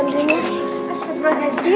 tunggu sini aku bantuin ya